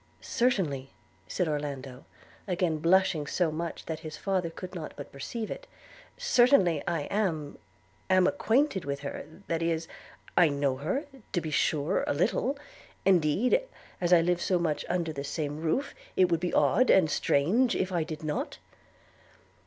'Certainly,' said Orlando, again blushing so much that his father could not but perceive it – 'certainly I am – am acquainted with her; that is – I know her, to be sure, a little; – indeed, as I live so much under the same roof, it would be odd, and strange, if I did not.'